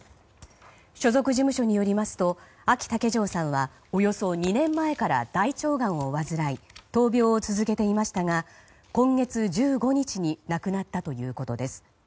所属事務所によりますとあき竹城さんはおよそ２年前から大腸がんを患い闘病を続けていましたが今月１５日に亡くなったということです。